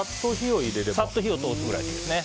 さっと火を通すくらいでいいです。